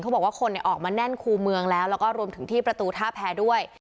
บอกว่าคนออกมาแน่นคู่เมืองแล้วแล้วก็รวมถึงที่ประตูท่าแพ้ด้วย